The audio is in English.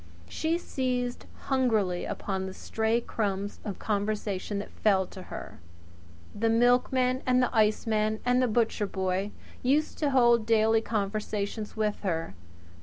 She seized hungrily upon the stray crumbs of conversation that fell to her. The milkman and the iceman and the butcher boy used to hold daily conversation with her.